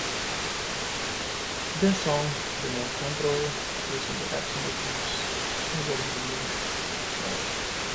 Their song, "Remote Control" appears in the Absinthe Films snowboarding video, "More".